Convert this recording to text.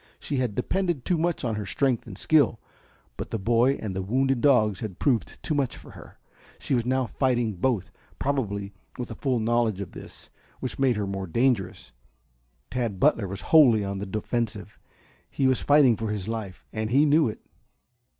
She had depended too much on her strength and skill, but the boy and the wounded dogs had proved too much for her. She was now fighting both, probably with a full knowledge of this, which made her the more dangerous. Tad Butler was wholly on the defensive; he was fighting for his life and he knew it.